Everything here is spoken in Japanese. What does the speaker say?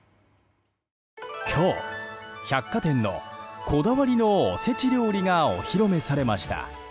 今日、百貨店のこだわりのおせち料理がお披露目されました。